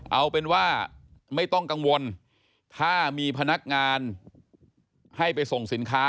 เอาเป็นว่าไม่ต้องกังวลถ้ามีพนักงานให้ไปส่งสินค้า